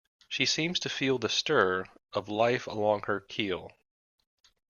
She seems to feel The stir of life along her keel.